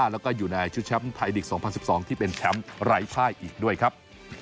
แล้วก็อยู่ในชุดแชมป์ไทยลีก๒๐๑๒ที่เป็นแชมป์ไร้ค่ายอีกด้วยครับ